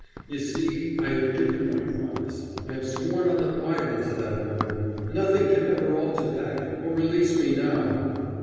You see, I have given my promise I have sworn on the Bible to that woman nothing can ever alter that, or release me now.